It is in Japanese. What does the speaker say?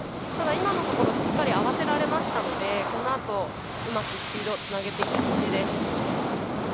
今のところしっかり合わせられたのでこのあとうまくスピードつなげていってほしいです。